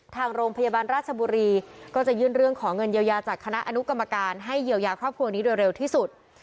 ทางโรงพยาบาลราชบุรีก็จะยื่นเรื่องขอเงินเยียวยาจากคณะอนุกรรมการให้เยียวยาครอบครัวนี้โดยเร็วที่สุด